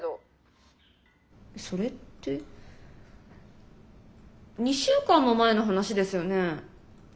それって２週間も前の話ですよね？